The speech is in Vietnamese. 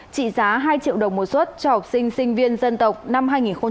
trị giá hai triệu đồng một xuất cho học sinh sinh viên dân tộc năm hai nghìn hai mươi